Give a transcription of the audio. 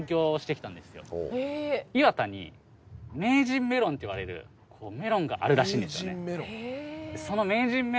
磐田に名人メロンといわれるメロンがあるらしいんですよ。